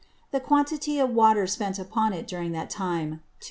The Quantity of Water spent upon it during that time, Gr.